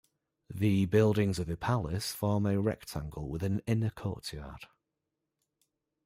The buildings of the Palace form a rectangle with an inner courtyard.